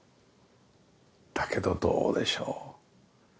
だけどどうでしょう。